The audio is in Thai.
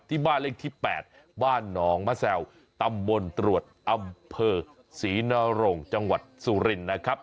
ที่บ้านเลขที่๘บ้านหนองมะแซวตำบลตรวจอำเภอศรีนรงจังหวัดสุรินนะครับ